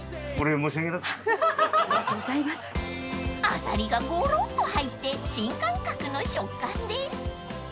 ［あさりがごろっと入って新感覚の食感です］